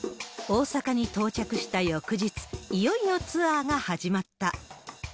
大阪に到着した翌日、いよいよツアーが始まった。